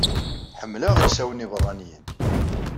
Ḥemmleɣ ilsawen ibeṛṛaniyen!